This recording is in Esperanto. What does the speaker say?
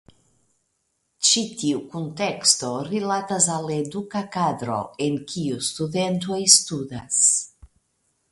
Ĉi tiu kunteksto rilatas al eduka kadro en kiu studentoj studas.